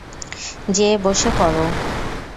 যেয়ে বসে পড়ো।